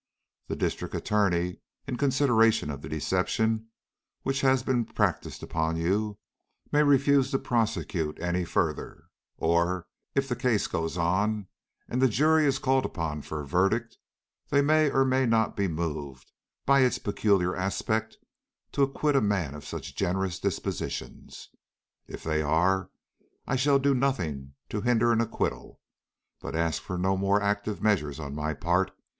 The District Attorney, in consideration of the deception which has been practised upon you, may refuse to prosecute any further; or, if the case goes on and the jury is called upon for a verdict, they may or may not be moved by its peculiar aspects to acquit a man of such generous dispositions. If they are, I shall do nothing to hinder an acquittal; but ask for no more active measures on my part.